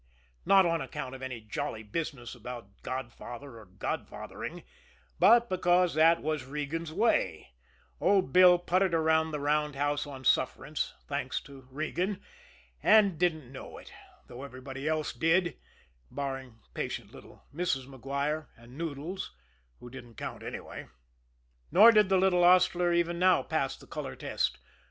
Not on account of any jolly business about godfather or godfathering, but because that was Regan's way old Bill puttered around the roundhouse on suffrance, thanks to Regan, and didn't know it, though everybody else did, barring patient little Mrs. Maguire and Noodles, who didn't count anyhow. Nor did the little hostler even now pass the color test.